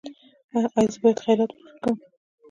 ایا زه باید خیرات ورکړم؟